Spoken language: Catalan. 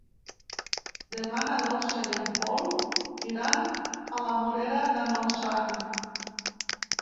Demà na Dolça i en Pol iran a la Morera de Montsant.